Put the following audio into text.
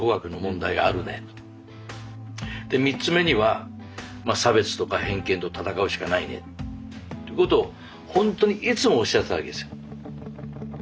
で３つ目には差別とか偏見と闘うしかないねってことをほんとにいつもおっしゃってたわけですよ。